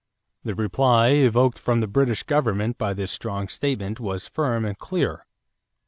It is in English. The reply evoked from the British government by this strong statement was firm and clear.